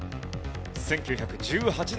１９１８年撮影。